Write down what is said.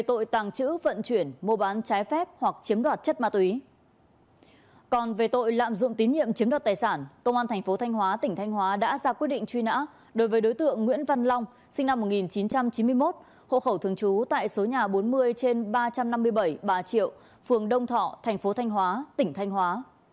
thành phố thanh hóa tỉnh thanh hóa đã ra quyết định truy nã đối với đối tượng nguyễn văn long sinh năm một nghìn chín trăm chín mươi một hộ khẩu thường trú tại số nhà bốn mươi trên ba trăm năm mươi bảy ba triệu phường đông thọ thành phố thanh hóa tỉnh thanh hóa